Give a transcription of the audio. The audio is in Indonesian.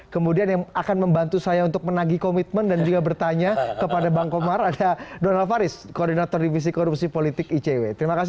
kemudian yang akan membantu saya untuk menagi komitmen dan juga bertanya kepada bang komar ada donald faris koordinator divisi korupsi politik icw